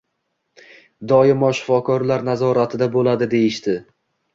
Doimo shifokorlar nazoratida bo`ladi deyishdi